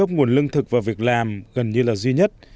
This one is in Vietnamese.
nguồn lương thực và việc làm gần như là duy nhất